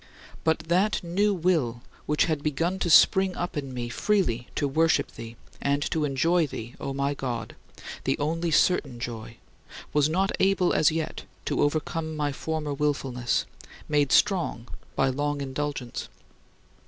But that new will which had begun to spring up in me freely to worship thee and to enjoy thee, O my God, the only certain Joy, was not able as yet to overcome my former willfulness, made strong by long indulgence.